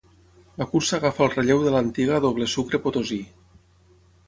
La cursa agafa el relleu de l'antiga Doble Sucre Potosí.